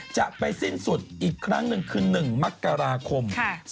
จะไปสิ้นสุดอีกครั้งหนึ่งคือ๑มกราคม๒๕๖